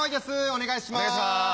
お願いします。